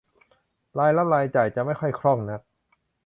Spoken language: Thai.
รายรับรายจ่ายจะไม่ค่อยคล่องนัก